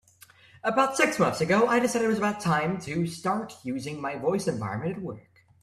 About six months ago, I decided it was time to start using my voice environment at work.